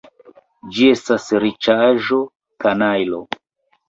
Ĝi estas riĉaĵo, kanajlo!